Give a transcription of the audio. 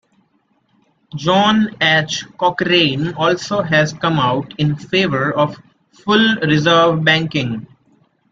John H. Cochrane also has come out in favor of full reserve banking.